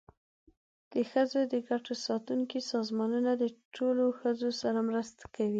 د ښځو د ګټو ساتونکي سازمانونه د ټولو ښځو سره مرسته کوي.